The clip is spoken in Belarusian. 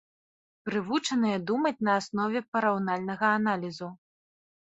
Прывучаныя думаць на аснове параўнальнага аналізу.